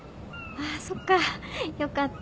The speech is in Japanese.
ああそっかよかった。